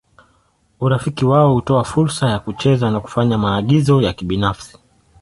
Urafiki wao hutoa fursa ya kucheza na kufanya maagizo ya kibinafsi.